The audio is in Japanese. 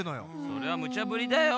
それはムチャぶりだよ。